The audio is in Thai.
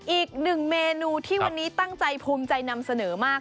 อีกหนึ่งเมนูที่วันนี้ตั้งใจภูมิใจนำเสนอมาก